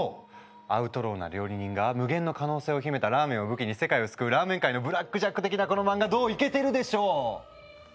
アウトローな料理人が無限の可能性を秘めたラーメンを武器に世界を救うラーメン界の「ブラック・ジャック」的なこの漫画どうイケてるでしょう？